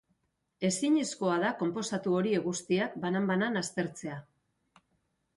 Ezinezkoa da konposatu horiek guztiak banan-banan aztertzea.